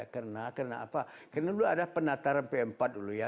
karena dulu ada penataran pempat dulu ya